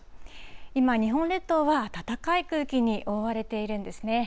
今、日本列島は暖かい空気に覆われているんですね。